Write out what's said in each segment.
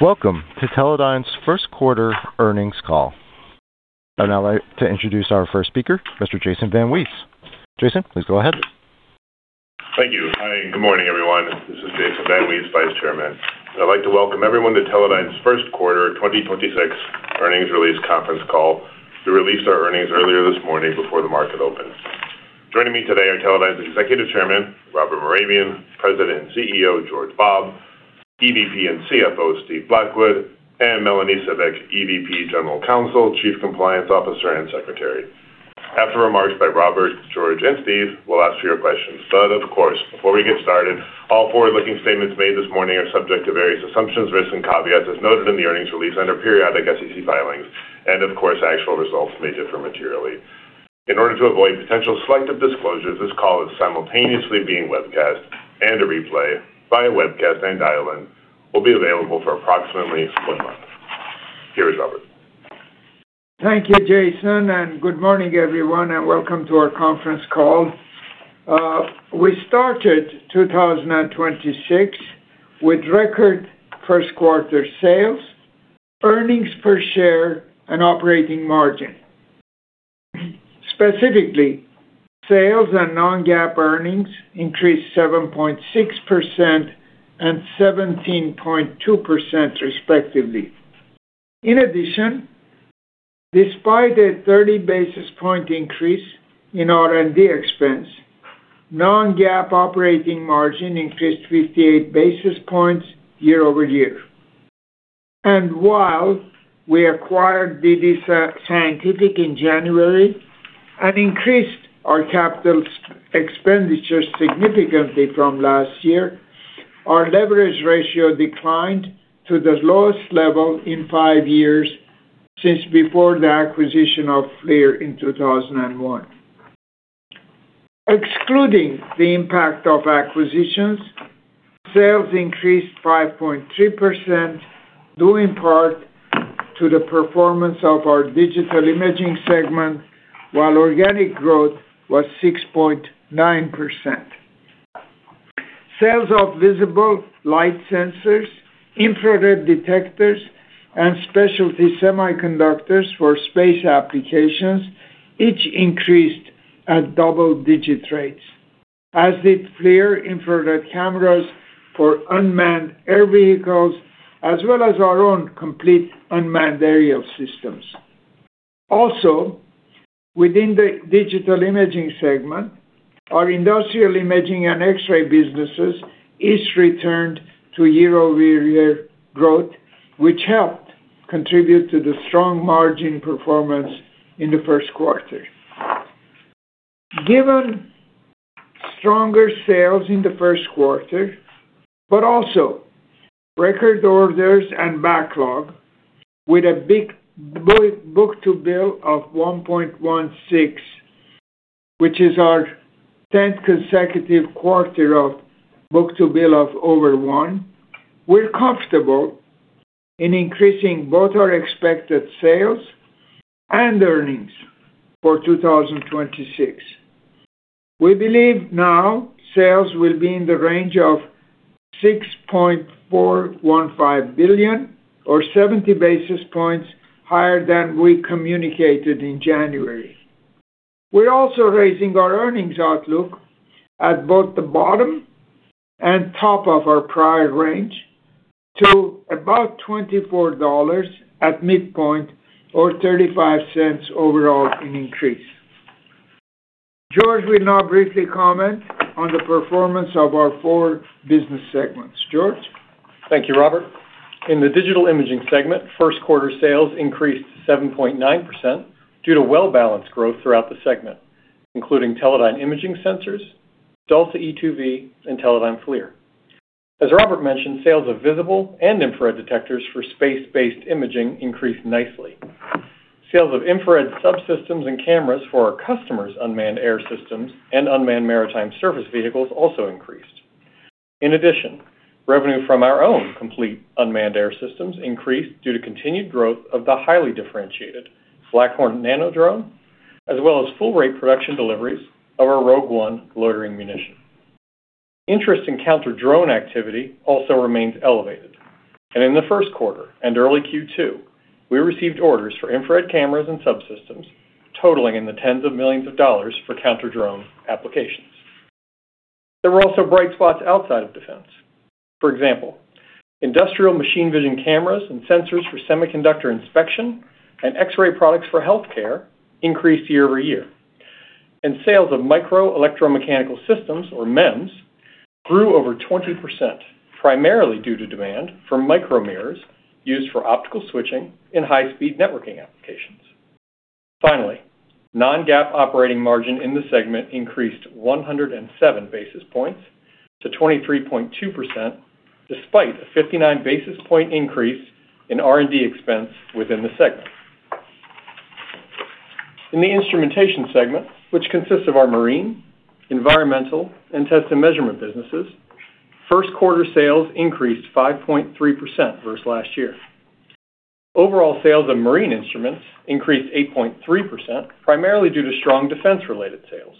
Welcome to Teledyne's first quarter earnings call. I'd now like to introduce our first speaker, Mr. Jason VanWees. Jason, please go ahead. Thank you. Hi, good morning, everyone. This is Jason VanWees, Vice Chairman. I'd like to welcome everyone to Teledyne's first quarter 2026 earnings release conference call. We released our earnings earlier this morning before the market opened. Joining me today are Teledyne's Executive Chairman, Robert Mehrabian, President and CEO, George Bobb, EVP and CFO, Steve Blackwood, and Melanie S. Cibik, EVP, General Counsel, Chief Compliance Officer, and Secretary. After remarks by Robert, George, and Steve, we'll ask for your questions. Of course, before we get started, all forward-looking statements made this morning are subject to various assumptions, risks, and caveats, as noted in the earnings release and our periodic SEC filings. Of course, actual results may differ materially. In order to avoid potential selective disclosures, this call is simultaneously being webcast, and a replay, via webcast and dial-in, will be available for approximately one month. Here is Robert. Thank you, Jason, and good morning, everyone, and welcome to our conference call. We started 2026 with record first quarter sales, earnings per share, and operating margin. Specifically, sales and non-GAAP earnings increased 7.6% and 17.2% respectively. In addition, despite a 30 basis point increase in R&D expense, non-GAAP operating margin increased 58 basis points year over year. While we acquired DD-Scientific in January and increased our capital expenditures significantly from last year, our leverage ratio declined to the lowest level in five years, since before the acquisition of FLIR in 2001. Excluding the impact of acquisitions, sales increased 5.3%, due in part to the performance of our Digital Imaging segment, while organic growth was 6.9%. Sales of visible light sensors, infrared detectors, and specialty semiconductors for space applications each increased at double-digit rates, as did FLIR infrared cameras for unmanned air vehicles, as well as our own complete unmanned aerial systems. Also, within the digital imaging segment, our industrial imaging and X-ray businesses each returned to year-over-year growth, which helped contribute to the strong margin performance in the first quarter. Given stronger sales in the first quarter, but also record orders and backlog with a big book-to-bill of 1.16, which is our 10th consecutive quarter of book-to-bill of over one, we're comfortable in increasing both our expected sales and earnings for 2026. We believe now sales will be in the range of $6.415 billion or 70 basis points higher than we communicated in January. We're also raising our earnings outlook at both the bottom and top of our prior range to about $24 at midpoint or $0.35 overall an increase. George will now briefly comment on the performance of our four business segments. George? Thank you, Robert. In the Digital Imaging segment, first quarter sales increased 7.9% due to well-balanced growth throughout the segment, including Teledyne Imaging Sensors, Teledyne e2v, and Teledyne FLIR. As Robert mentioned, sales of visible and infrared detectors for space-based imaging increased nicely. Sales of infrared subsystems and cameras for our customers' unmanned air systems and unmanned maritime surface vehicles also increased. In addition, revenue from our own complete unmanned air systems increased due to continued growth of the highly differentiated Black Hornet Nano, as well as full rate production deliveries of our Rogue 1 loitering munition. Interest in counter-drone activity also remains elevated. In the first quarter and early Q2, we received orders for infrared cameras and subsystems totaling $ tens of millions for counter-drone applications. There were also bright spots outside of defense. For example, industrial machine vision cameras and sensors for semiconductor inspection and X-ray products for healthcare increased year-over-year. Sales of microelectromechanical systems, or MEMS, grew over 20%, primarily due to demand for micromirrors used for optical switching in high-speed networking applications. Finally, non-GAAP operating margin in the segment increased 107 basis points to 23.2%, despite a 59 basis point increase in R&D expense within the segment. In the Instrumentation segment, which consists of our marine, environmental, and test and measurement businesses, first quarter sales increased 5.3% versus last year. Overall sales of marine instruments increased 8.3%, primarily due to strong defense-related sales,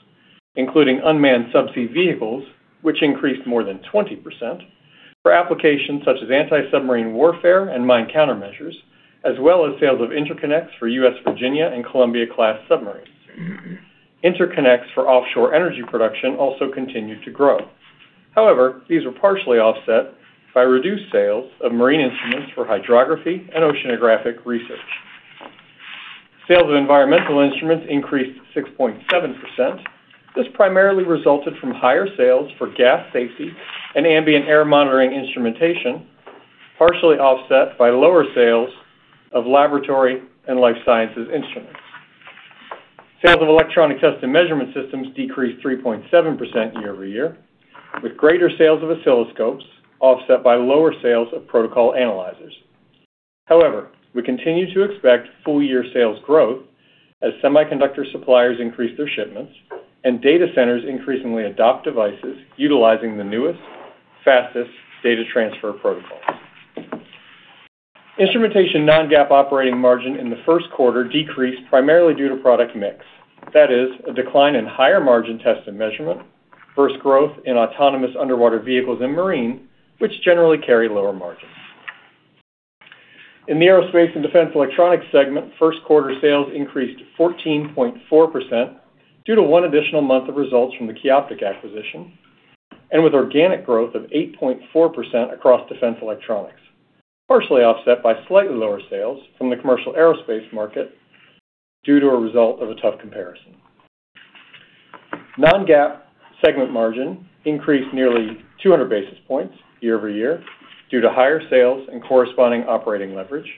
including unmanned subsea vehicles, which increased more than 20%, for applications such as anti-submarine warfare and mine countermeasures, as well as sales of interconnects for U.S. Virginia-class and Columbia-class submarines. Interconnects for offshore energy production also continued to grow. However, these were partially offset by reduced sales of marine instruments for hydrography and oceanographic research. Sales of environmental instruments increased 6.7%. This primarily resulted from higher sales for gas safety and ambient air monitoring instrumentation, partially offset by lower sales of laboratory and life sciences instruments. Sales of electronic test and measurement systems decreased 3.7% year over year, with greater sales of oscilloscopes offset by lower sales of protocol analyzers. However, we continue to expect full-year sales growth as semiconductor suppliers increase their shipments and data centers increasingly adopt devices utilizing the newest, fastest data transfer protocols. Instrumentation non-GAAP operating margin in the first quarter decreased primarily due to product mix. That is, a decline in higher margin test and measurement versus growth in autonomous underwater vehicles and marine, which generally carry lower margins. In the Aerospace and Defense Electronics segment, first quarter sales increased 14.4% due to one additional month of results from the Qioptiq acquisition, and with organic growth of 8.4% across defense electronics, partially offset by slightly lower sales from the commercial aerospace market due to a result of a tough comparison. Non-GAAP segment margin increased nearly 200 basis points year-over-year due to higher sales and corresponding operating leverage,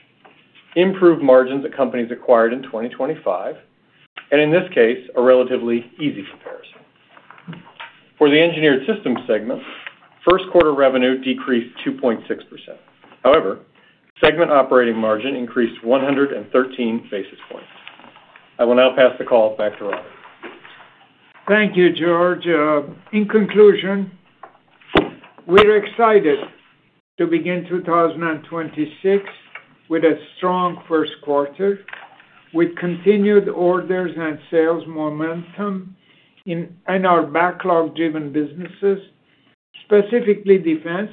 improved margins that companies acquired in 2025, and in this case, a relatively easy comparison. For the Engineered Systems segment, first quarter revenue decreased 2.6%. However, segment operating margin increased 113 basis points. I will now pass the call back to Robert. Thank you, George. In conclusion, we're excited to begin 2026 with a strong first quarter, with continued orders and sales momentum in our backlog-driven businesses, specifically defense,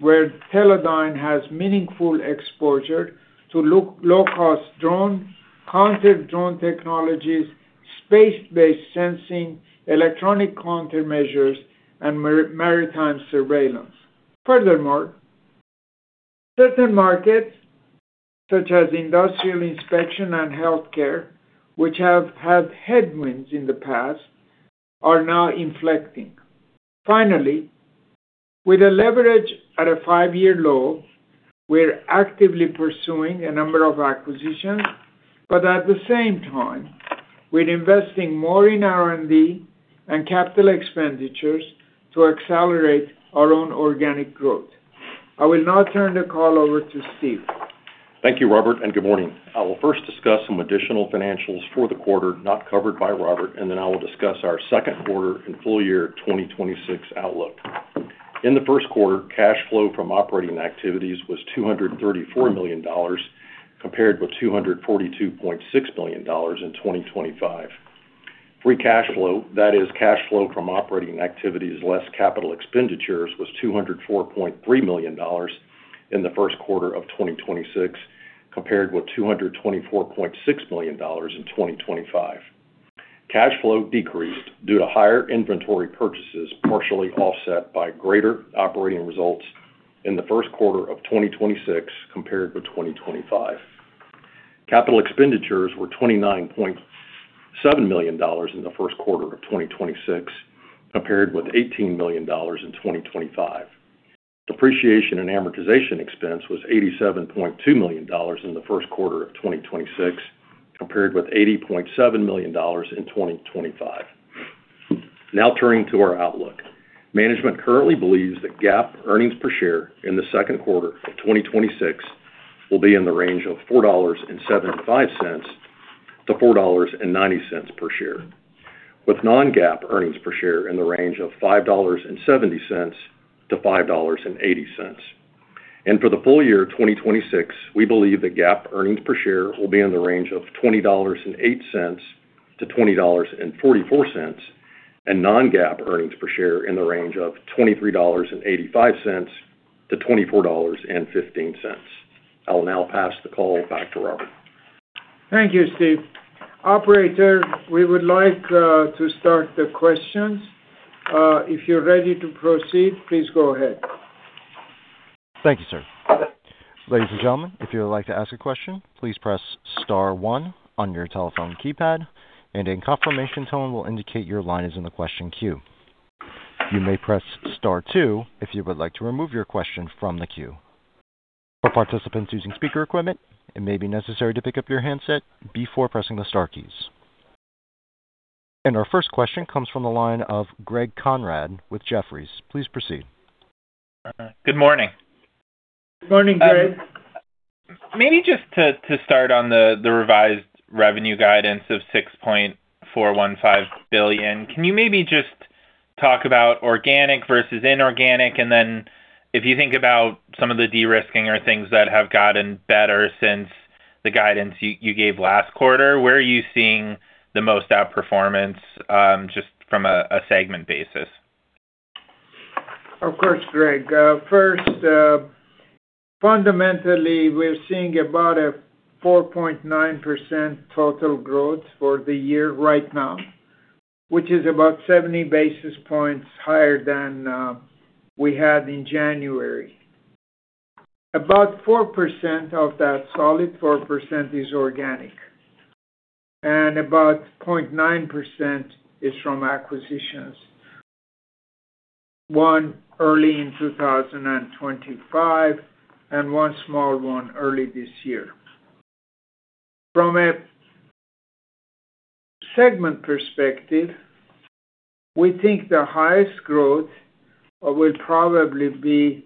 where Teledyne has meaningful exposure to low-cost drone, counter-drone technologies, space-based sensing, electronic countermeasures, and maritime surveillance. Furthermore, certain markets, such as industrial inspection and healthcare, which have had headwinds in the past, are now inflecting. Finally, with the leverage at a five-year low, we're actively pursuing a number of acquisitions, but at the same time, we're investing more in R&D and capital expenditures to accelerate our own organic growth. I will now turn the call over to Steve. Thank you, Robert, and good morning. I will first discuss some additional financials for the quarter not covered by Robert, and then I will discuss our second quarter and full year 2026 outlook. In the first quarter, cash flow from operating activities was $234 million, compared with $242.6 million in 2025. Free cash flow, that is, cash flow from operating activities less capital expenditures was $204.3 million in the first quarter of 2026, compared with $224.6 million in 2025. Cash flow decreased due to higher inventory purchases, partially offset by greater operating results in the first quarter of 2026 compared with 2025. Capital expenditures were $29.7 million in the first quarter of 2026 compared with $18 million in 2025. Depreciation and amortization expense was $87.2 million in the first quarter of 2026 compared with $80.7 million in 2025. Now turning to our outlook. Management currently believes that GAAP earnings per share in the second quarter of 2026 will be in the range of $4.75-$4.90 per share, with non-GAAP earnings per share in the range of $5.70-$5.80. For the full year 2026, we believe that GAAP earnings per share will be in the range of $20.08-$20.44, and non-GAAP earnings per share in the range of $23.85-$24.15. I'll now pass the call back to Robert. Thank you, Steve. Operator, we would like to start the questions. If you're ready to proceed, please go ahead. Thank you, sir. Ladies and gentlemen, if you would like to ask a question, please press star one on your telephone keypad, and a confirmation tone will indicate your line is in the question queue. You may press star two if you would like to remove your question from the queue. For participants using speaker equipment, it may be necessary to pick up your handset before pressing the star keys. Our first question comes from the line of Greg Konrad with Jefferies. Please proceed. Good morning. Good morning, Greg. Maybe just to start on the revised revenue guidance of $6.415 billion, can you maybe just talk about organic versus inorganic, and then if you think about some of the de-risking or things that have gotten better since the guidance you gave last quarter, where are you seeing the most outperformance, just from a segment basis? Of course, Greg. First, fundamentally, we're seeing about a 4.9% total growth for the year right now, which is about 70 basis points higher than we had in January. About 4% of that solid 4% is organic, and about 0.9% is from acquisitions. One early in 2025, and one small one early this year. From a segment perspective, we think the highest growth will probably be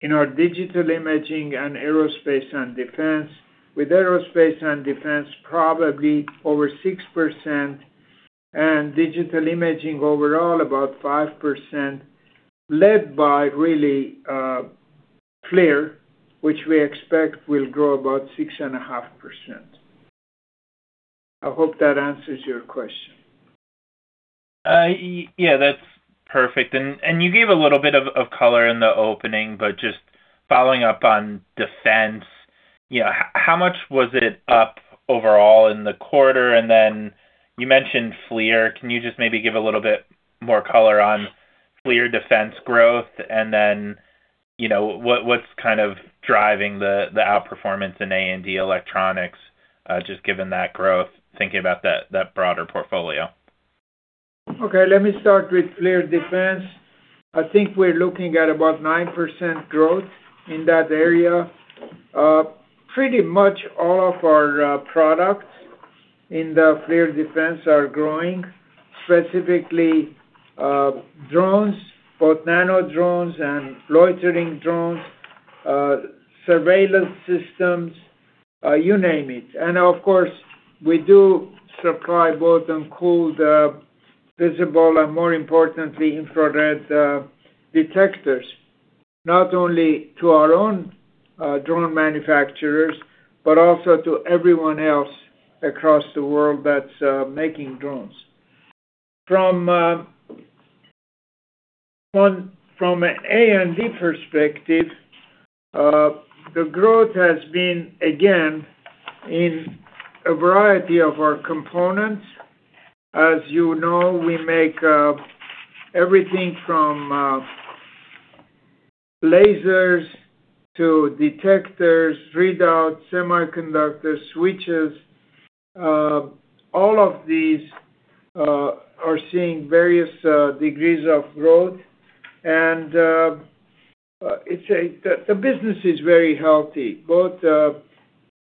in our Digital Imaging and Aerospace & Defense, with Aerospace & Defense probably over 6%, and Digital Imaging overall about 5%, led by really FLIR, which we expect will grow about 6.5%. I hope that answers your question. Yeah, that's perfect. You gave a little bit of color in the opening, but just following up on defense, how much was it up overall in the quarter? Then you mentioned FLIR. Can you just maybe give a little bit more color on FLIR Defense growth and then what's kind of driving the outperformance in A&D Electronics, just given that growth, thinking about that broader portfolio? Okay. Let me start with FLIR Defense. I think we're looking at about 9% growth in that area. Pretty much all of our products in the FLIR Defense are growing, specifically drones, both nano drones and loitering drones, surveillance systems, you name it. And of course, we do supply both cooled, visible, and more importantly, infrared detectors, not only to our own drone manufacturers, but also to everyone else across the world that's making drones. From an A&D perspective, the growth has been, again, in a variety of our components. As you know, we make everything from lasers to detectors, readouts, semiconductors, switches. All of these are seeing various degrees of growth. The business is very healthy, both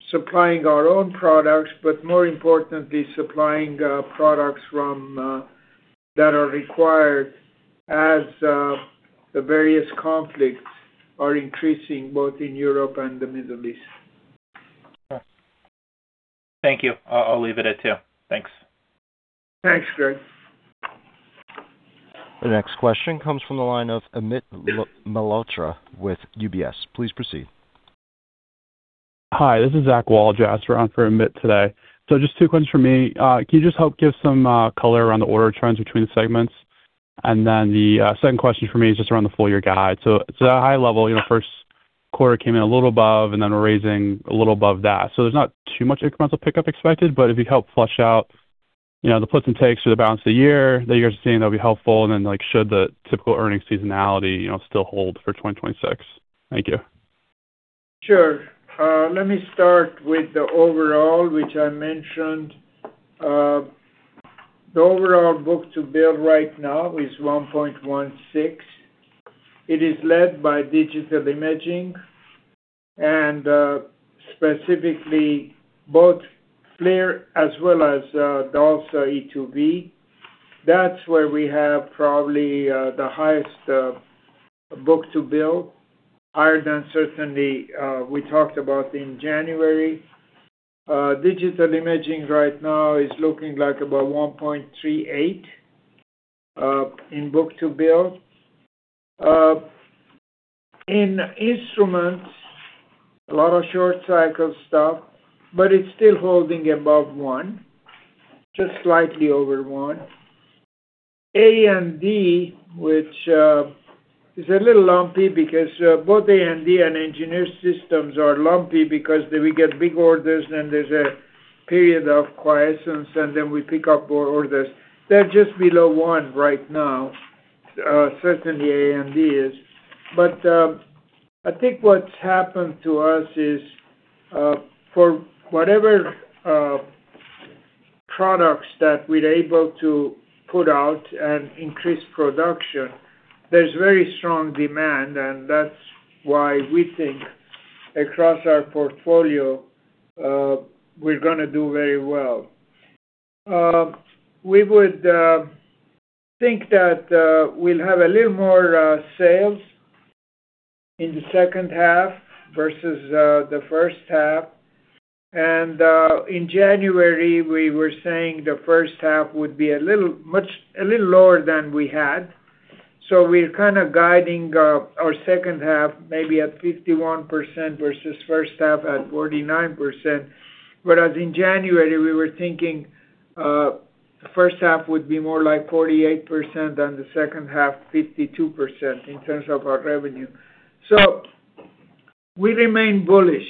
supplying our own products, but more importantly, supplying products that are required as the various conflicts are increasing, both in Europe and the Middle East. Thank you. I'll leave it at two. Thanks. Thanks, Greg. The next question comes from the line of Amit Malhotra with UBS. Please proceed. Hi, this is Zach Waljasser around for Amit today. Just two questions from me. Can you just help give some color around the order trends between the segments? Then the second question for me is just around the full year guide. At a high level, first quarter came in a little above, and then we're raising a little above that. There's not too much incremental pickup expected, but if you help flush out the puts and takes for the balance of the year that you guys are seeing, that'll be helpful. Then should the typical earnings seasonality still hold for 2026? Thank you. Sure. Let me start with the overall, which I mentioned. The overall book-to-bill right now is 1.16. It is led by Digital Imaging and specifically both FLIR as well as the DALSA e2v. That's where we have probably the highest book-to-bill, higher than certainly we talked about in January. Digital Imaging right now is looking like about 1.38 in book-to-bill. In Instrumentation, a lot of short cycle stuff, but it's still holding above one, just slightly over one. A&D, which is a little lumpy because both A&D and Engineered Systems are lumpy because then we get big orders, then there's a period of quiescence, and then we pick up more orders. They're just below one right now, certainly A&D is. I think what's happened to us is, for whatever products that we're able to put out and increase production, there's very strong demand, and that's why we think across our portfolio, we're going to do very well. We would think that we'll have a little more sales in the second half versus the first half. In January, we were saying the first half would be a little lower than we had. We're kind of guiding our second half maybe at 51% versus first half at 49%. Whereas in January, we were thinking the first half would be more like 48% and the second half, 52%, in terms of our revenue. We remain bullish,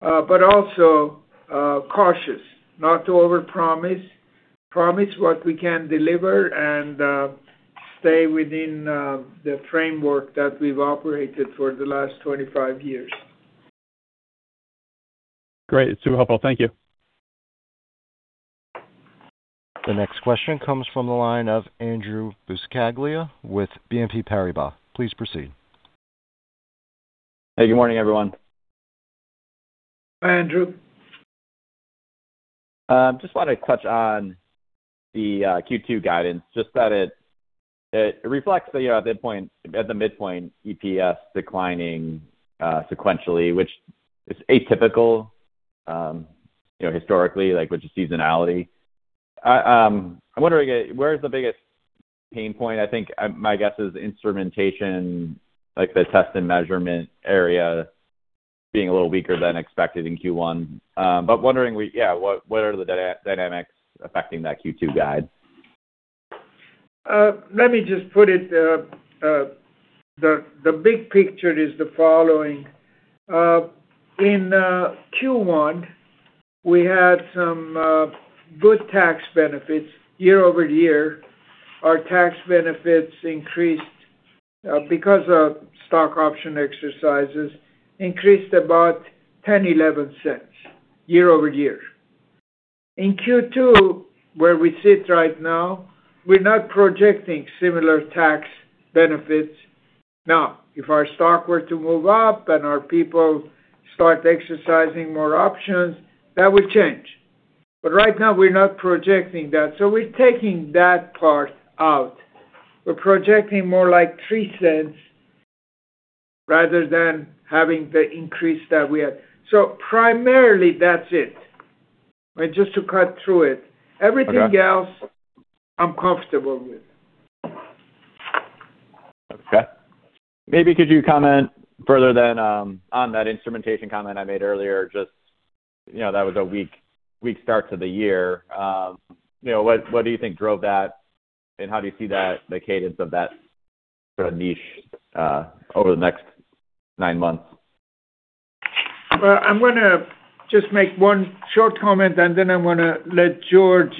but also cautious not to overpromise, promise what we can deliver, and stay within the framework that we've operated for the last 25 years. Great. It's super helpful. Thank you. The next question comes from the line of Andrew Buscaglia with BNP Paribas. Please proceed. Hey, good morning, everyone. Hi, Andrew. Just wanted to touch on the Q2 guidance. Just that it reflects at the midpoint EPS declining sequentially, which is atypical historically, like with the seasonality. I'm wondering where is the biggest pain point? I think my guess is Instrumentation, like the test and measurement area being a little weaker than expected in Q1. Wondering, what are the dynamics affecting that Q2 guide? Let me just put it, the big picture is the following. In Q1, we had some good tax benefits year over year. Our tax benefits increased because of stock option exercises about $0.10-$0.11 year over year. In Q2, where we sit right now, we're not projecting similar tax benefits. Now, if our stock were to move up and our people start exercising more options, that would change. Right now, we're not projecting that. We're taking that part out. We're projecting more like $0.03 rather than having the increase that we had. Primarily, that's it. Just to cut through it. Okay. Everything else, I'm comfortable with. Okay. Maybe could you comment further then on that Instrumentation comment I made earlier, just that was a weak start to the year. What do you think drove that, and how do you see the cadence of that niche over the next nine months? I'm going to just make one short comment, and then I'm going to let George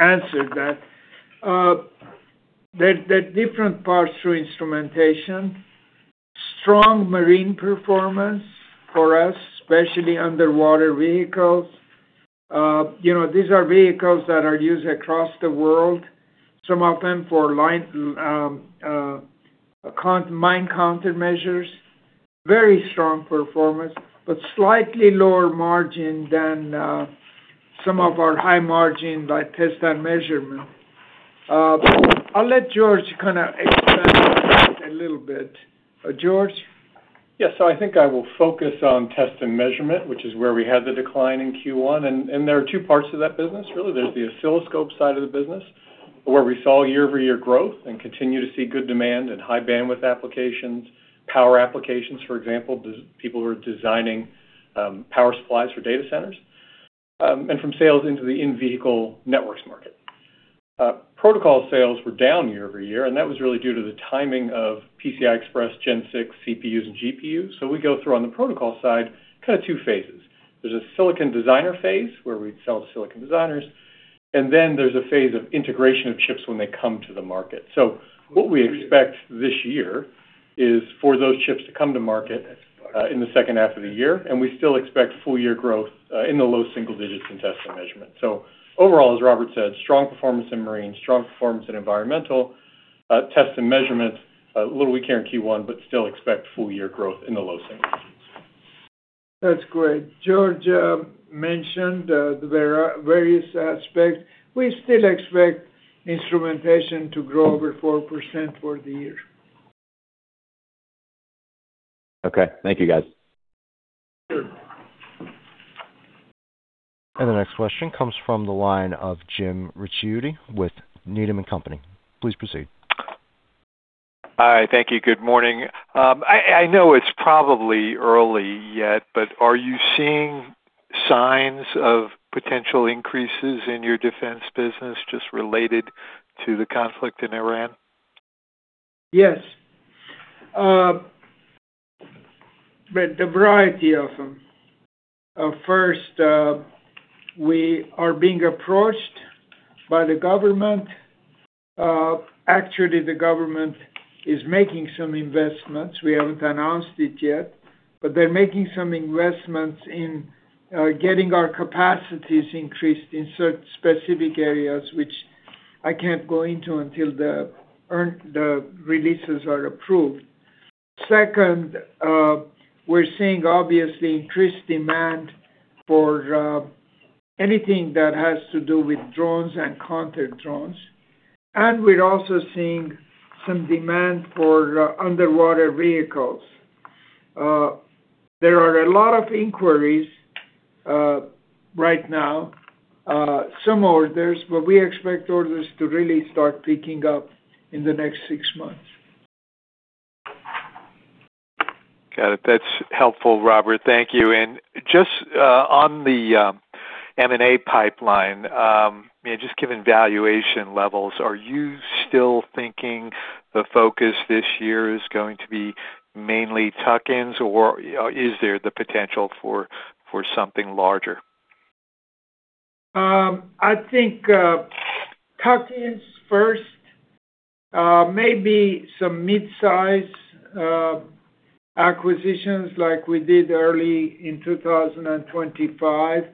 answer that. There are different parts to Instrumentation. Strong marine performance for us, especially underwater vehicles. These are vehicles that are used across the world, some of them for mine countermeasures. Very strong performance, but slightly lower margin than some of our high margin like test and measurement. I'll let George kind of expand on that a little bit. George? Yes. I think I will focus on test and measurement, which is where we had the decline in Q1. There are two parts to that business, really. There's the oscilloscope side of the business, where we saw year-over-year growth and continue to see good demand in high bandwidth applications, power applications, for example, people who are designing power supplies for data centers, and from sales into the in-vehicle networks market. Protocol sales were down year-over-year, and that was really due to the timing of PCI Express Gen 6 CPUs and GPUs. We go through on the protocol side kind of two phases. There's a silicon designer phase, where we sell to silicon designers, and then there's a phase of integration of chips when they come to the market. What we expect this year is for those chips to come to market in the second half of the year, and we still expect full year growth in the low single digits in test and measurement. Overall, as Robert said, strong performance in marine, strong performance in environmental. Test and measurement a little weaker in Q1, but still expect full year growth in the low single digits. That's great. George mentioned the various aspects. We still expect Instrumentation to grow over 4% for the year. Okay, thank you, guys. Sure. The next question comes from the line of James Ricchiuti with Needham & Company. Please proceed. Hi. Thank you. Good morning. I know it's probably early yet, but are you seeing signs of potential increases in your defense business just related to the conflict in Iran? Yes. A variety of them. First, we are being approached by the government. Actually, the government is making some investments. We haven't announced it yet, but they're making some investments in getting our capacities increased in specific areas, which I can't go into until the releases are approved. Second, we're seeing, obviously, increased demand for anything that has to do with drones and counter drones. We're also seeing some demand for underwater vehicles. There are a lot of inquiries right now, some orders, but we expect orders to really start picking up in the next six months. Got it. That's helpful, Robert. Thank you. Just on the M&A pipeline, just given valuation levels, are you still thinking the focus this year is going to be mainly tuck-ins, or is there the potential for something larger? I think, tuck-ins first, maybe some mid-size acquisitions like we did early in 2025.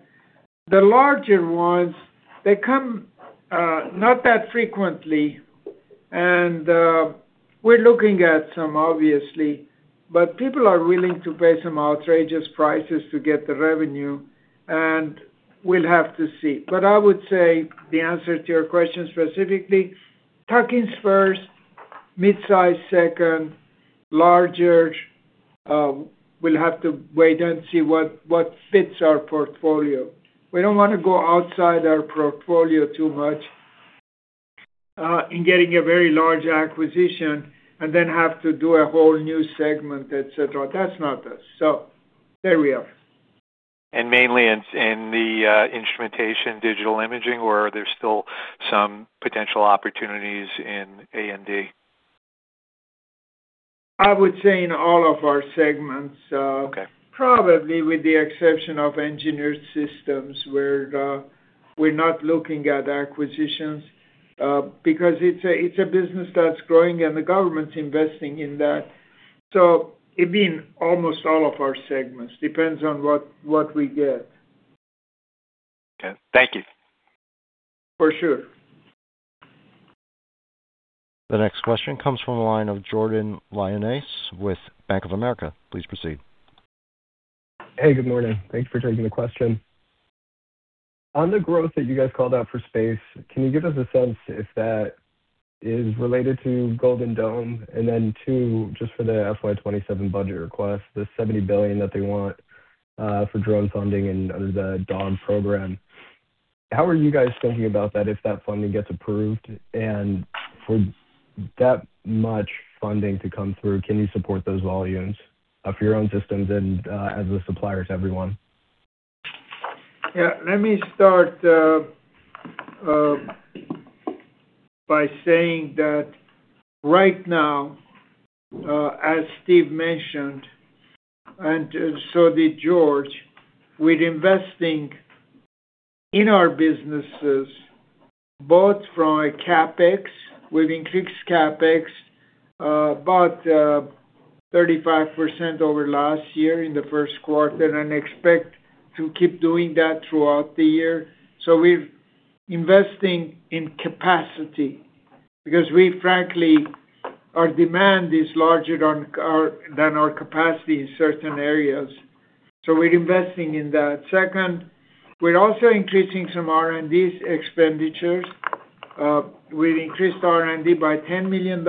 The larger ones, they come not that frequently. We're looking at some obviously, but people are willing to pay some outrageous prices to get the revenue, and we'll have to see. I would say the answer to your question specifically, tuck-ins first, mid-size second, larger, we'll have to wait and see what fits our portfolio. We don't want to go outside our portfolio too much, in getting a very large acquisition and then have to do a whole new segment, et cetera. That's not us. There we are. Mainly in the Instrumentation Digital Imaging, or are there still some potential opportunities in A&D? I would say in all of our segments. Okay... probably with the exception of Engineered Systems, where we're not looking at acquisitions. Because it's a business that's growing and the government's investing in that. It'd be in almost all of our segments. Depends on what we get. Okay. Thank you. For sure. The next question comes from the line of Jordan Lyonnais with Bank of America. Please proceed. Hey, good morning. Thanks for taking the question. On the growth that you guys called out for space, can you give us a sense if that is related to Golden Dome? Then two, just for the FY 2027 budget request, the $70 billion that they want for drone funding and the dome program. How are you guys thinking about that if that funding gets approved? For that much funding to come through, can you support those volumes of your own systems and as a supplier to everyone? Yeah, let me start by saying that right now, as Steve mentioned, and so did George, we're investing in our businesses both from a CapEx. We've increased CapEx about 35% over last year in the first quarter, and expect to keep doing that throughout the year. We're investing in capacity because we frankly, our demand is larger than our capacity in certain areas. We're investing in that. Second, we're also increasing some R&D expenditures. We increased R&D by $10 million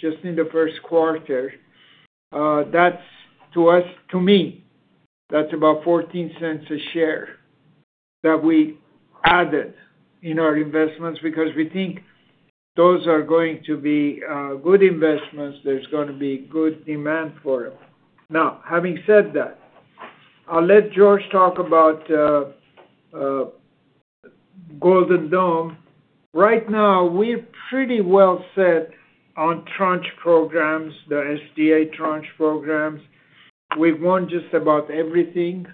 just in the first quarter. That's, to us, to me, that's about 14 cents a share that we added in our investments because we think those are going to be good investments. There's going to be good demand for them. Now, having said that, I'll let George talk about Golden Dome. Right now, we're pretty well set on Tranche programs, the SDA Tranche programs. We've won just about everything,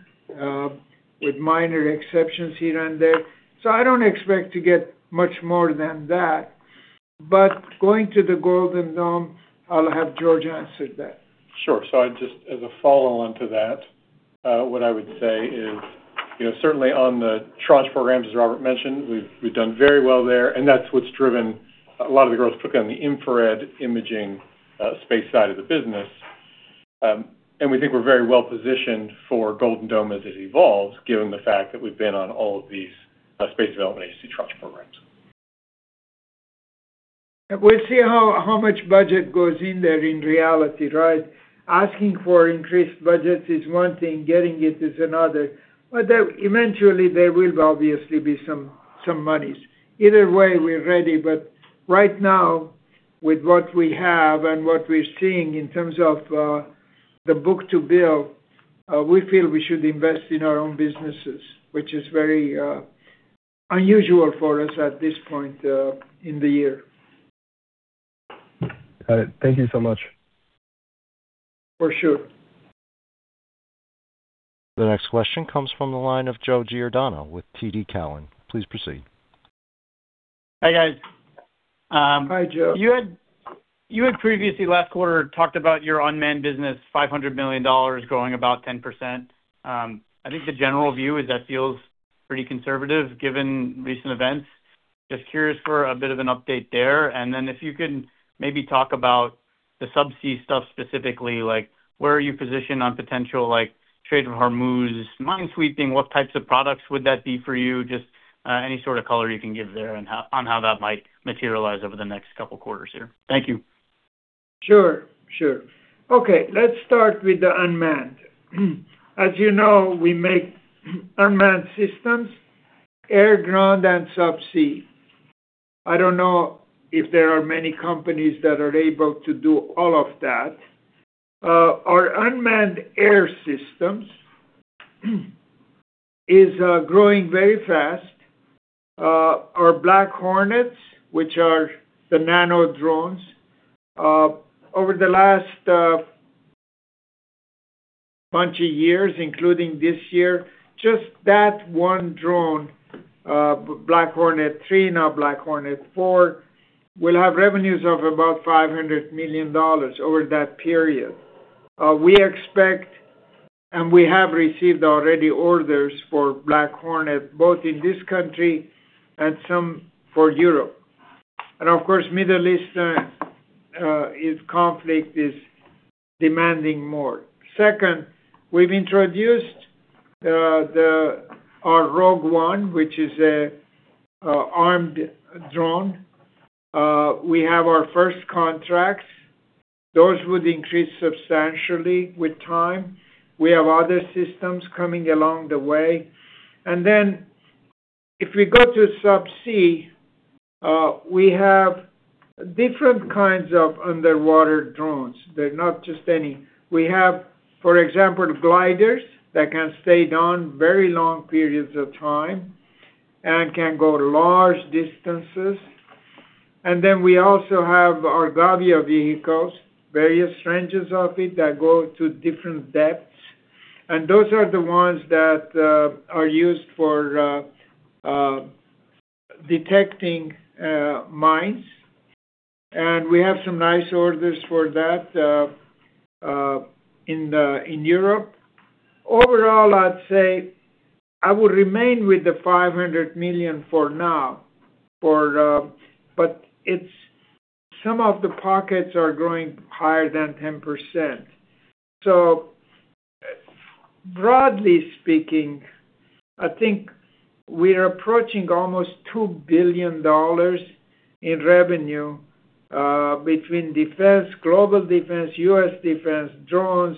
with minor exceptions here and there. I don't expect to get much more than that. Going to the Golden Dome, I'll have George answer that. Sure. I'd just as a follow-on to that, what I would say is, certainly on the tranche program, as Robert mentioned, we've done very well there, and that's what's driven a lot of the growth, particularly on the infrared imaging space side of the business. We think we're very well positioned for Golden Dome as it evolves, given the fact that we've been on all of these Space Development Agency tranche programs. We'll see how much budget goes in there in reality, right? Asking for increased budgets is one thing, getting it is another. Eventually, there will obviously be some monies. Either way, we're ready, but right now, with what we have and what we're seeing in terms of the book-to-bill, we feel we should invest in our own businesses, which is very unusual for us at this point in the year. Got it. Thank you so much. For sure. The next question comes from the line of Joseph Giordano with TD Cowen. Please proceed. Hi, guys. Hi, Joe. You had previously last quarter talked about your unmanned business, $500 million growing about 10%. I think the general view is that feels pretty conservative given recent events. Just curious for a bit of an update there, and then if you can maybe talk about the subsea stuff specifically, like where are you positioned on potential like Strait of Hormuz minesweeping? What types of products would that be for you? Just any sort of color you can give there on how that might materialize over the next couple quarters here. Thank you. Sure. Okay. Let's start with the unmanned. As you know, we make unmanned systems, air, ground, and subsea. I don't know if there are many companies that are able to do all of that. Our unmanned air systems is growing very fast. Our Black Hornet, which are the nano drones, over the last bunch of years, including this year, just that one drone, Black Hornet 3, now Black Hornet 4, will have revenues of about $500 million over that period. We expect, and we have received already orders for Black Hornet, both in this country and some for Europe. Of course, Middle East, its conflict is demanding more. Second, we've introduced our Rogue 1, which is a armed drone. We have our first contracts. Those would increase substantially with time. We have other systems coming along the way. If we go to subsea, we have different kinds of underwater drones. They're not just any. We have, for example, gliders that can stay down very long periods of time and can go large distances. We also have our Gavia vehicles, various ranges of it that go to different depths. Those are the ones that are used for detecting mines. We have some nice orders for that in Europe. Overall, I'd say I would remain with the $500 million for now. Some of the pockets are growing higher than 10%. Broadly speaking, I think we are approaching almost $2 billion in revenue, between defense, global defense, U.S. defense, drones,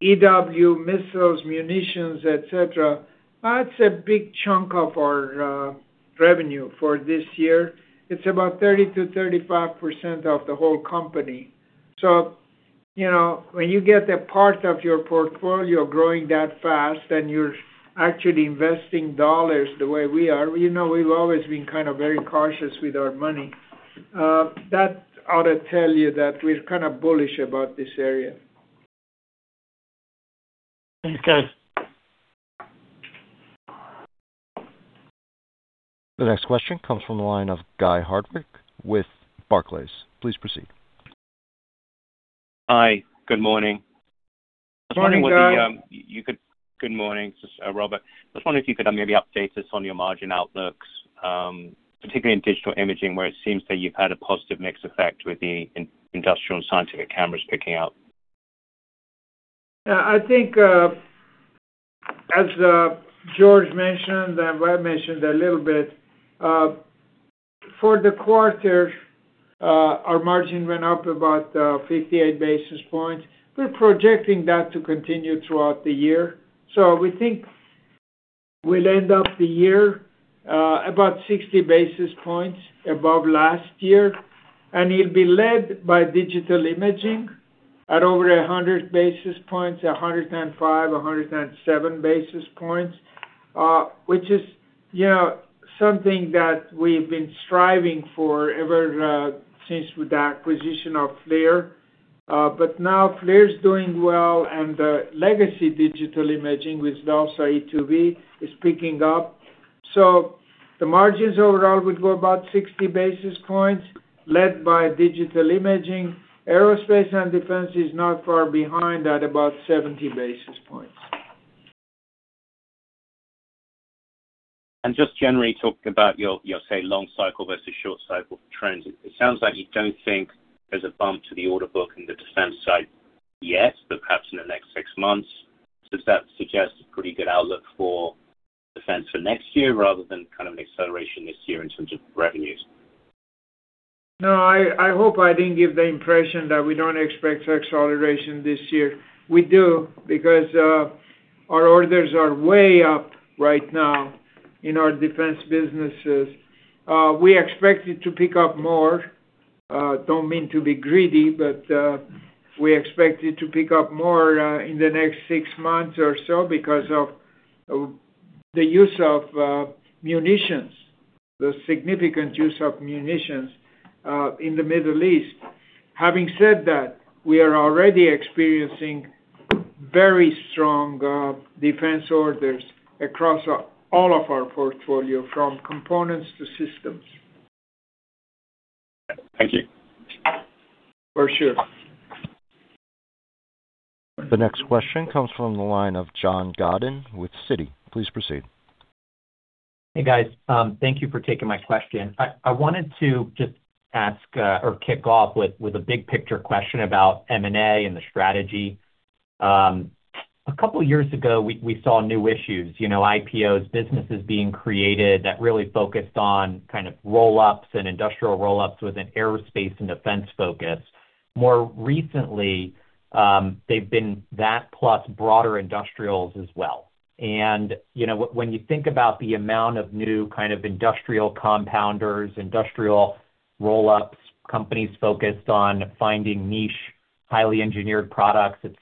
EW, missiles, munitions, et cetera. That's a big chunk of our revenue for this year. It's about 30%-35% of the whole company. When you get a part of your portfolio growing that fast and you're actually investing dollars the way we are, we've always been kind of very cautious with our money. That ought to tell you that we're kind of bullish about this area. Thank you. The next question comes from the line of Guy Hardwick with Barclays. Please proceed. Hi, good morning. Good morning, Guy. Good morning. This is Robert. I was wondering if you could maybe update us on your margin outlooks, particularly in Digital Imaging, where it seems that you've had a positive mix effect with the industrial and scientific cameras picking up? I think, as George Bobb mentioned, and Jason VanWees mentioned a little bit, for the quarter, our margin went up about 58 basis points. We're projecting that to continue throughout the year. We think we'll end the year, about 60 basis points above last year, and it'll be led by Digital Imaging at over 100 basis points, 105-107 basis points, which is something that we've been striving for ever since the acquisition of FLIR. Now FLIR's doing well, and the legacy Digital Imaging with DALSA e2v is picking up. The margins overall would go about 60 basis points, led by Digital Imaging. Aerospace and Defense is not far behind at about 70 basis points. Just generally talking about your, say, long cycle versus short cycle trends, it sounds like you don't think there's a bump to the order book in the defense side yet, but perhaps in the next six months. Does that suggest a pretty good outlook for defense for next year rather than kind of an acceleration this year in terms of revenues? No, I hope I didn't give the impression that we don't expect acceleration this year. We do, because our orders are way up right now in our defense businesses. We expect it to pick up more. Don't mean to be greedy, but we expect it to pick up more in the next six months or so because of the use of munitions, the significant use of munitions in the Middle East. Having said that, we are already experiencing very strong defense orders across all of our portfolio, from components to systems. Thank you. For sure. The next question comes from the line of Jonathan Siegmann with Stifel. Please proceed. Hey, guys. Thank you for taking my question. I wanted to just ask or kick off with a big picture question about M&A and the strategy. A couple of years ago, we saw new issues, IPOs, businesses being created that really focused on kind of roll-ups and industrial roll-ups with an aerospace and defense focus. More recently, they've been that plus broader industrials as well. When you think about the amount of new kind of industrial compounders, industrial roll-ups, companies focused on finding niche, highly engineered products, et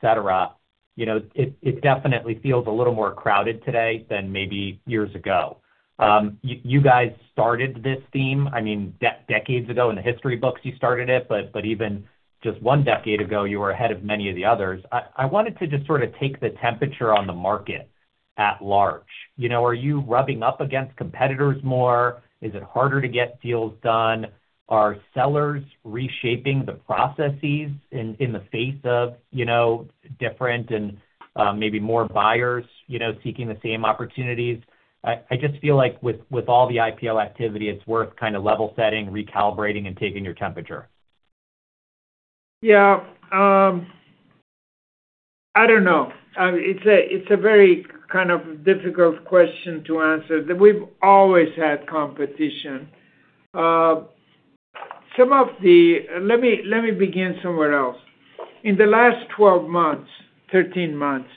cetera, it definitely feels a little more crowded today than maybe years ago. You guys started this theme, decades ago in the history books, you started it, but even just one decade ago, you were ahead of many of the others. I wanted to just sort of take the temperature on the market at large. Are you rubbing up against competitors more? Is it harder to get deals done? Are sellers reshaping the processes in the face of different and maybe more buyers seeking the same opportunities? I just feel like with all the IPO activity, it's worth kind of level setting, recalibrating, and taking your temperature. Yeah. I don't know. It's a very kind of difficult question to answer. That we've always had competition. Let me begin somewhere else. In the last 12 months, 13 months,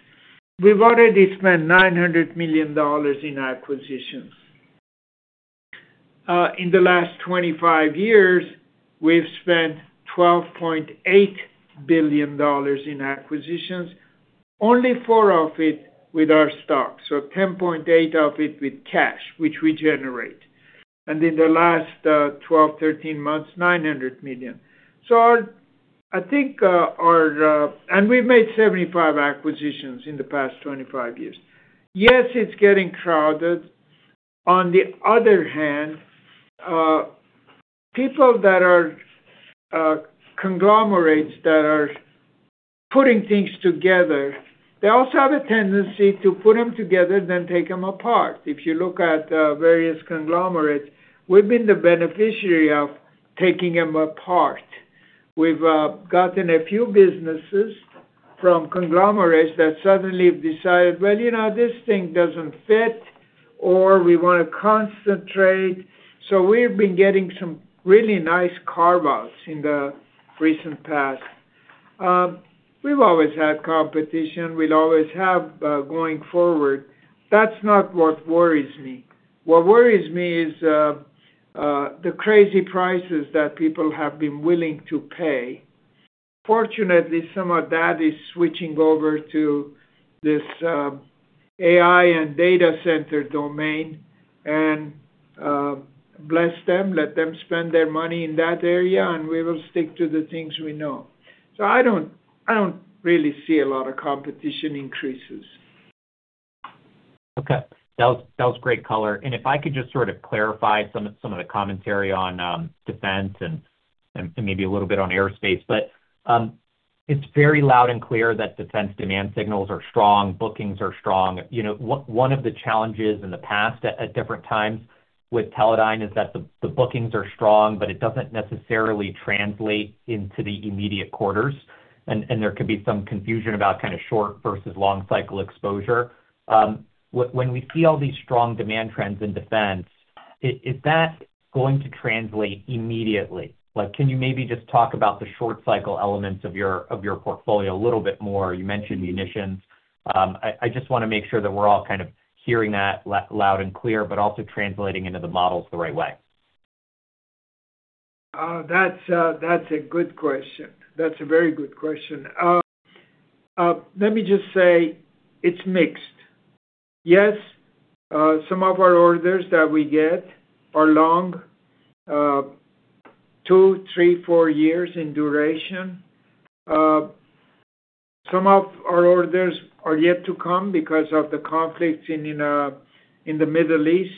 we've already spent $900 million in acquisitions. In the last 25 years, we've spent $12.8 billion in acquisitions, only $4 billion of it with our stock, so $10.8 billion of it with cash, which we generate. In the last 12, 13 months, $900 million. We've made 75 acquisitions in the past 25 years. Yes, it's getting crowded. On the other hand, people that are conglomerates that are putting things together, they also have a tendency to put them together then take them apart. If you look at various conglomerates, we've been the beneficiary of taking them apart. We've gotten a few businesses from conglomerates that suddenly have decided, "Well, this thing doesn't fit," or, "We want to concentrate." We've been getting some really nice carve-outs in the recent past. We've always had competition, we'll always have going forward. That's not what worries me. What worries me is the crazy prices that people have been willing to pay. Fortunately, some of that is switching over to this AI and data center domain, and bless them, let them spend their money in that area, and we will stick to the things we know. I don't really see a lot of competition increases. Okay. That was great color. If I could just sort of clarify some of the commentary on defense and maybe a little bit on aerospace. It's very loud and clear that defense demand signals are strong, bookings are strong. One of the challenges in the past at different times with Teledyne is that the bookings are strong, but it doesn't necessarily translate into the immediate quarters, and there could be some confusion about kind of short versus long cycle exposure. When we see all these strong demand trends in defense, is that going to translate immediately? Can you maybe just talk about the short cycle elements of your portfolio a little bit more? You mentioned munitions. I just want to make sure that we're all kind of hearing that loud and clear, but also translating into the models the right way. That's a good question. That's a very good question. Let me just say it's mixed. Yes, some of our orders that we get are long, two, three, four years in duration. Some of our orders are yet to come because of the conflicts in the Middle East.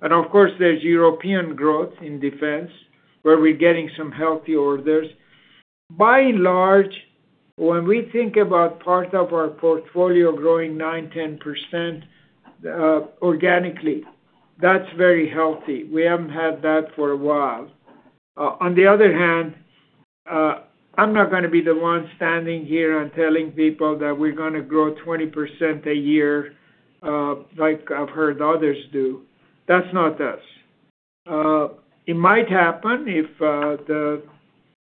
Of course, there's European growth in defense, where we're getting some healthy orders. By and large, when we think about part of our portfolio growing 9%-10% organically, that's very healthy. We haven't had that for a while. On the other hand, I'm not going to be the one standing here and telling people that we're going to grow 20% a year like I've heard others do. That's not us. It might happen if the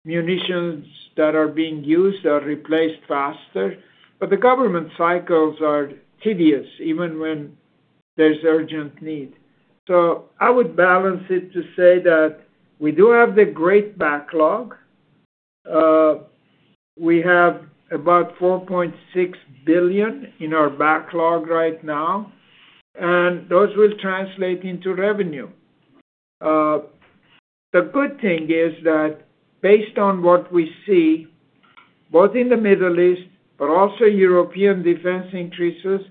munitions that are being used are replaced faster, but the government cycles are tedious, even when there's urgent need. I would balance it to say that we do have a great backlog. We have about $4.6 billion in our backlog right now, and those will translate into revenue. The good thing is that based on what we see, both in the Middle East, but also European defense increases,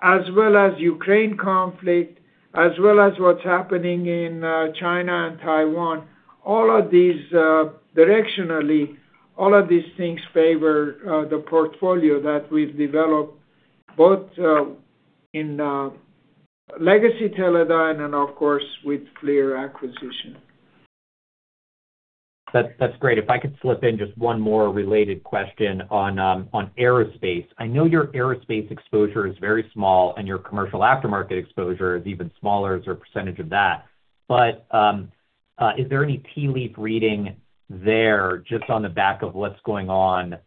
as well as Ukraine conflict, as well as what's happening in China and Taiwan. All of these directionally, all of these things favor the portfolio that we've developed, both in legacy Teledyne and of course, with FLIR acquisition. That's great. If I could slip in just one more related question on aerospace. I know your aerospace exposure is very small and your commercial aftermarket exposure is even smaller as a percentage of that, but is there any tea leaf reading there just on the back of what's going on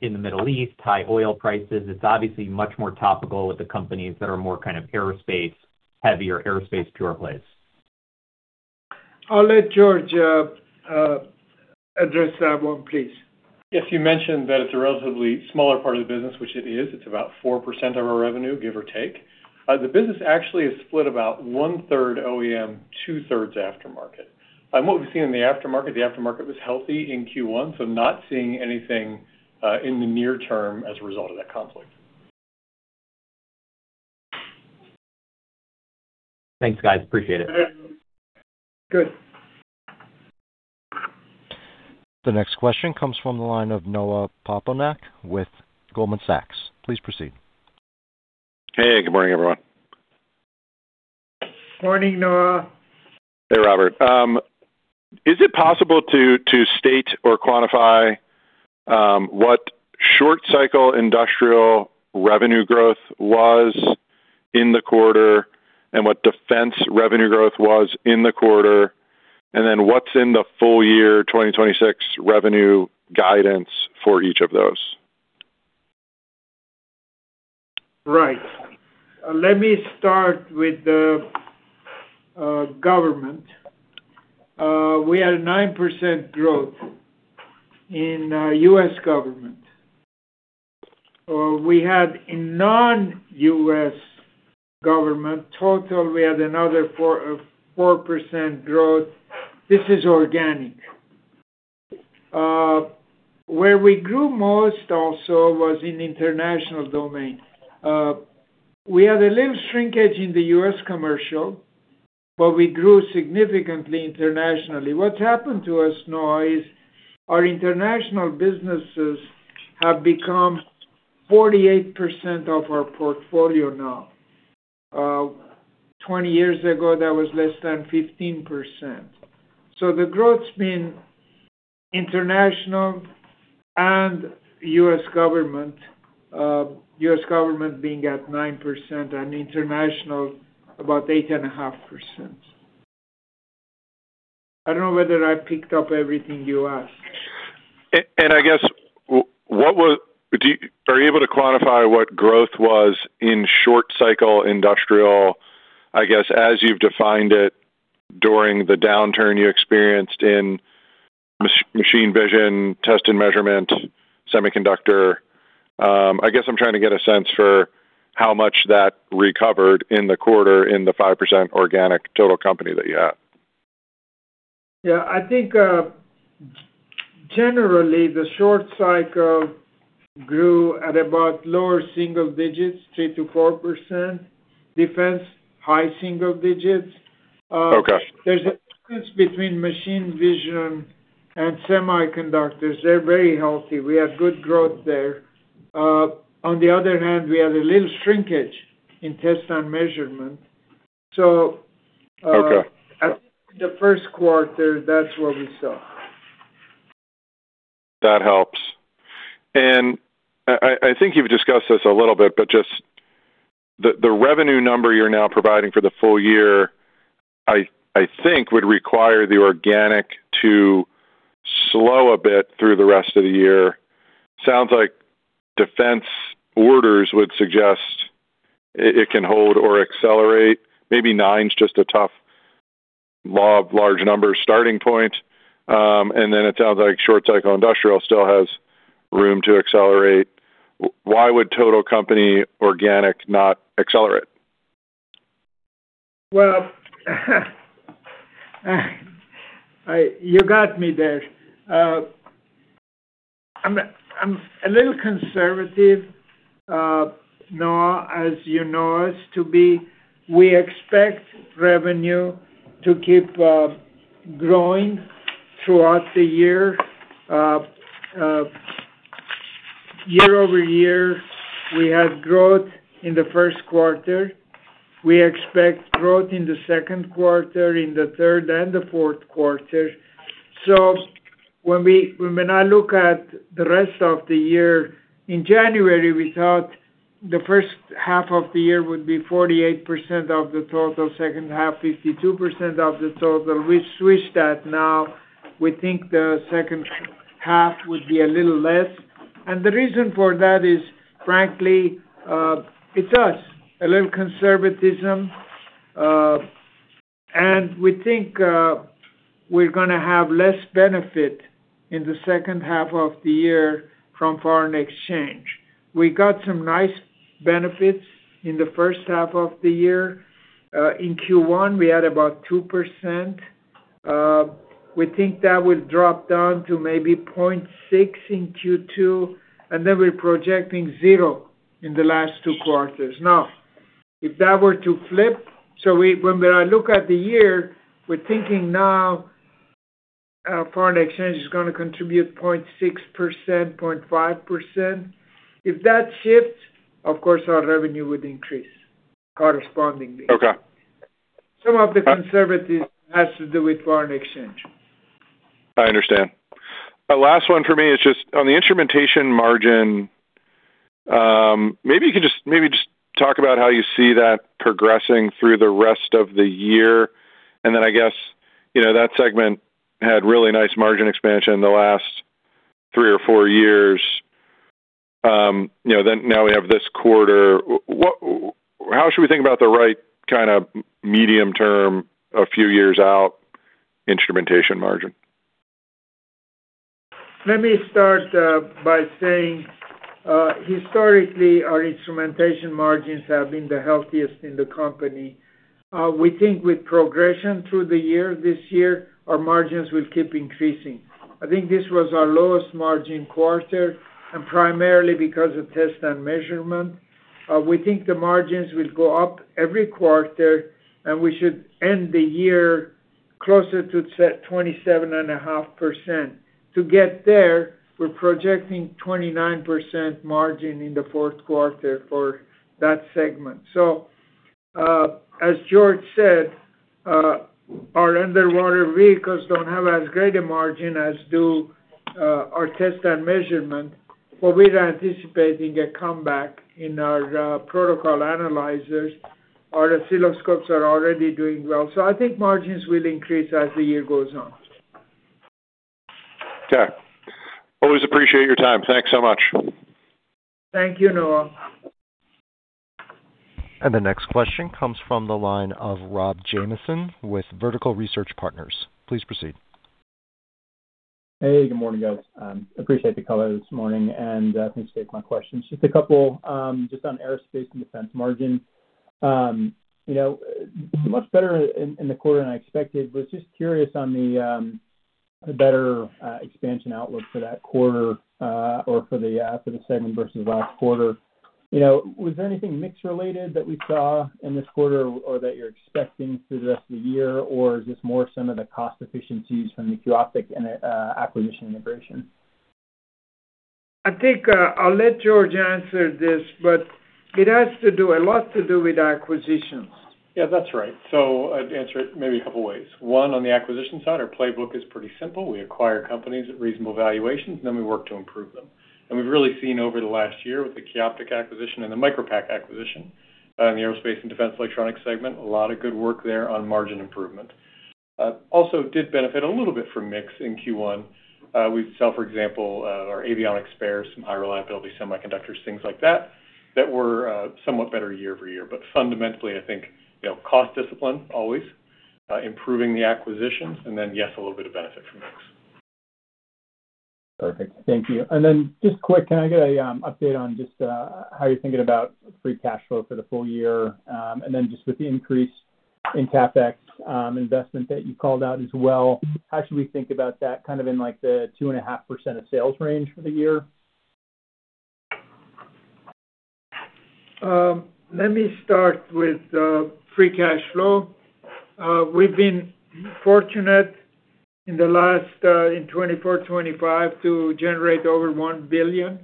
in the Middle East, high oil prices? It's obviously much more topical with the companies that are more kind of aerospace heavier, aerospace pure plays. I'll let George address that one, please. Yes, you mentioned that it's a relatively smaller part of the business, which it is. It's about 4% of our revenue, give or take. The business actually is split about 1/3 OEM, 2/3 aftermarket. What we've seen in the aftermarket, the aftermarket was healthy in Q1, so not seeing anything in the near term as a result of that conflict. Thanks, guys. Appreciate it. Good. The next question comes from the line of Noah Poponak with Goldman Sachs. Please proceed. Hey, good morning, everyone. Morning, Noah. Hey, Robert. Is it possible to state or quantify what short cycle industrial revenue growth was in the quarter, and what defense revenue growth was in the quarter, and then what's in the full year 2026 revenue guidance for each of those? Right. Let me start with the government. We had a 9% growth in U.S. government. We had in non-U.S. government total, we had another 4% growth. This is organic. Where we grew most also was in international domain. We had a little shrinkage in the U.S. commercial, but we grew significantly internationally. What's happened to us now is our international businesses have become 48% of our portfolio now. 20 years ago, that was less than 15%. The growth's been international and U.S. government. U.S. government being at 9% and international about 8.5%. I don't know whether I picked up everything you asked. I guess, are you able to quantify what growth was in short cycle industrial, I guess, as you've defined it, during the downturn you experienced in machine vision, test and measurement, semiconductor? I guess I'm trying to get a sense for how much that recovered in the quarter in the 5% organic total company that you had. Yeah, I think generally the short cycle grew at about lower single digits, 3%-4%. Defense, high single digits. Okay. There's a difference between machine vision and semiconductors. They're very healthy. We have good growth there. On the other hand, we have a little shrinkage in test and measurement. Okay. The first quarter, that's what we saw. That helps. I think you've discussed this a little bit, but just the revenue number you're now providing for the full year, I think would require the organic to slow a bit through the rest of the year. Sounds like defense orders would suggest it can hold or accelerate. Maybe 9's just a tough large number starting point. Then it sounds like short cycle industrial still has room to accelerate. Why would total company organic not accelerate? Well, you got me there. I'm a little conservative, Noah, as you know us to be. We expect revenue to keep growing throughout the year. Year-over-year, we had growth in the first quarter. We expect growth in the second quarter, in the third and the fourth quarter. When I look at the rest of the year, in January, we thought the first half of the year would be 48% of the total, second half, 52% of the total. We switched that now. We think the second half would be a little less. The reason for that is, frankly, it's us, a little conservatism. We think we're going to have less benefit in the second half of the year from foreign exchange. We got some nice benefits in the first half of the year. In Q1, we had about 2%. We think that will drop down to maybe 0.6 in Q2, and then we're projecting 0 in the last two quarters. Now, if that were to flip, when I look at the year, we're thinking now foreign exchange is going to contribute 0.6%, 0.5%. If that shifts, of course, our revenue would increase correspondingly. Okay. Some of the conservatism has to do with foreign exchange. I understand. Last one for me is just on the Instrumentation margin, maybe just talk about how you see that progressing through the rest of the year. Then I guess, that segment had really nice margin expansion the last three or four years. Now we have this quarter. How should we think about the right kind of medium term, a few years out, Instrumentation margin? Let me start by saying, historically, our Instrumentation margins have been the healthiest in the company. We think with progression through the year, this year, our margins will keep increasing. I think this was our lowest margin quarter and primarily because of test and measurement. We think the margins will go up every quarter, and we should end the year closer to 27.5%. To get there, we're projecting 29% margin in the fourth quarter for that segment. As George said, our underwater vehicles don't have as great a margin as do our test and measurement. We're anticipating a comeback in our protocol analyzers. Our oscilloscopes are already doing well. I think margins will increase as the year goes on. Okay. Always appreciate your time. Thanks so much. Thank you, Noah. The next question comes from the line of Rob Jamieson with Vertical Research Partners. Please proceed. Hey, good morning, guys. I appreciate the call this morning, and thanks for taking my questions. Just a couple, just on Aerospace and Defense margin. Much better in the quarter than I expected. Was just curious on the better expansion outlook for that quarter or for the segment versus last quarter. Was there anything mix-related that we saw in this quarter or that you're expecting through the rest of the year, or is this more some of the cost efficiencies from the Qioptiq acquisition integration? I think I'll let George answer this, but it has a lot to do with acquisitions. Yeah, that's right. I'd answer it maybe a couple ways. One, on the acquisition side, our playbook is pretty simple. We acquire companies at reasonable valuations, then we work to improve them. We've really seen over the last year with the Qioptiq acquisition and the Micropac acquisition in the Aerospace and Defense Electronics segment, a lot of good work there on margin improvement. We also did benefit a little bit from mix in Q1. We sell, for example, our avionics spares, some high reliability semiconductors, things like that were somewhat better year-over-year. Fundamentally, I think, cost discipline always, improving the acquisitions, and then yes, a little bit of benefit from mix. Perfect. Thank you. Just quick, can I get an update on just how you're thinking about free cash flow for the full year? Just with the increase in CapEx investment that you called out as well, how should we think about that kind of in like the 2.5% of sales range for the year? Let me start with free cash flow. We've been fortunate in 2024, 2025 to generate over $1 billion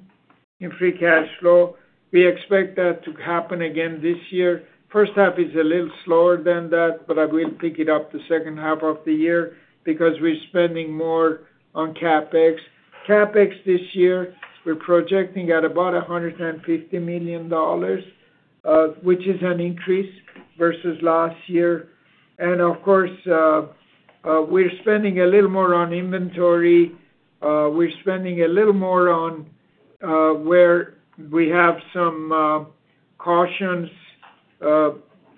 in free cash flow. We expect that to happen again this year. First half is a little slower than that, but we'll pick it up the second half of the year because we're spending more on CapEx. CapEx this year, we're projecting at about $150 million, which is an increase versus last year. Of course, we're spending a little more on inventory. We're spending a little more on where we have some cautious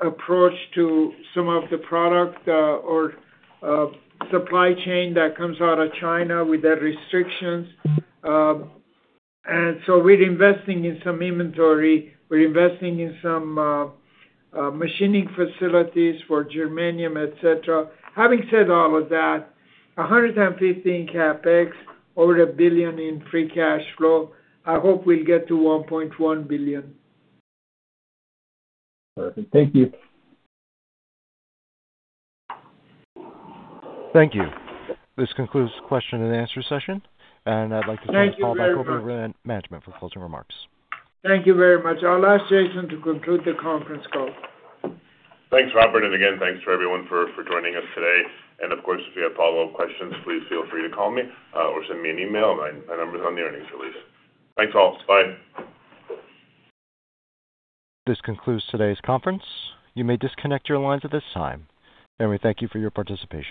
approach to some of the product or supply chain that comes out of China with the restrictions. We're investing in some inventory, we're investing in some machining facilities for germanium, et cetera. Having said all of that, $115 CapEx, over $1 billion in free cash flow. I hope we'll get to $1.1 billion. Perfect. Thank you. Thank you. This concludes the question and answer session. I'd like to Thank you very much. call upon corporate management for closing remarks. Thank you very much. I'll ask Jason to conclude the conference call. Thanks, Robert. Again, thanks to everyone for joining us today. Of course, if you have follow-up questions, please feel free to call me or send me an email. My number's on the earnings release. Thanks, all. Bye. This concludes today's conference. You may disconnect your lines at this time, and we thank you for your participation.